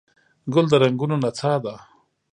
ګل د رنګونو نڅا ده.